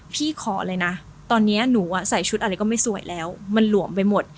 ขอเลยนะตอนนี้หนูใส่ชุดอะไรก็ไม่สวยแล้วมันหลวมไปหมด